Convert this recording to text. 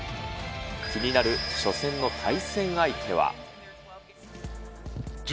気になる初戦の対戦相手は。